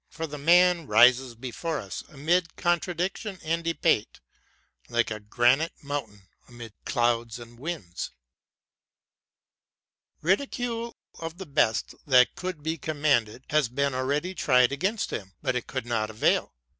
For the man rises before us, amid contradiction and debate, like a granite mountain amid clouds and winds. Ridicule, of the best that could be commanded, has been already tried against him ; but it could not avail.